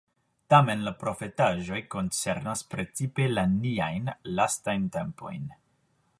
Tamen la profetaĵoj koncernas precipe la niajn lastajn tempojn.